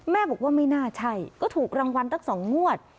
แม่บอกว่าไม่น่าใช่ก็ถูกรางวัลตั้ง๒งวด